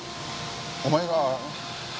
お前が。